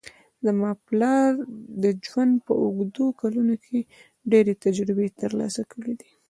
زما پلار د ژوند په اوږدو کلونو کې ډېرې تجربې ترلاسه کړې دي